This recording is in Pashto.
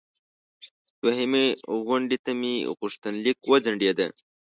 دوهمې غونډې ته مې غوښتنلیک وځنډیده.